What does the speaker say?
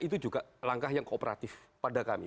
itu juga langkah yang kooperatif pada kami